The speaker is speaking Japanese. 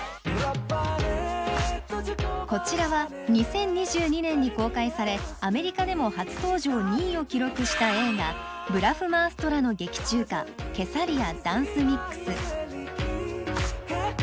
こちらは２０２２年に公開されアメリカでも初登場２位を記録した映画「ブラフマーストラ」の劇中歌「Ｋｅｓａｒｉｙａ」。